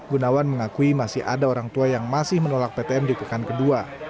gunawan mengakui masih ada orang tua yang masih menolak ptm di pekan kedua